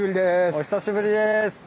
お久しぶりです。